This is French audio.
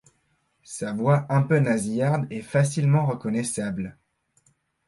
Sa voix un peu nasillarde est facilement reconnaissable.